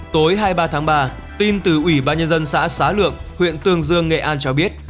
tối hai mươi ba tháng ba tin từ ủy ban nhân dân xã xá lượng huyện tương dương nghệ an cho biết